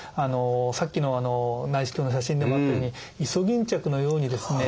さっきの内視鏡の写真でもあったようにイソギンチャクのようにですね